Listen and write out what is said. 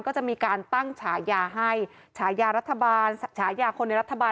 ก็จะมีการตั้งฉายาให้ฉายารัฐบาลฉายาคนในรัฐบาล